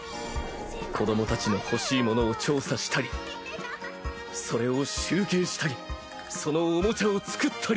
子どもたちの欲しいものを調査したりそれを集計したりそのおもちゃを作ったり。